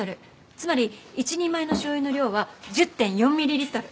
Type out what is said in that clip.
つまり１人前の醤油の量は１０．４ミリリットル。